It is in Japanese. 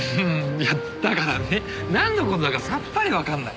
いやだからねなんの事だかさっぱりわかんない。